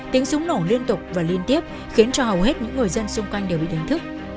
tiếng súng nổ liên tục và liên tiếp khiến cho hầu hết những người dân xung quanh đều bị đánh thức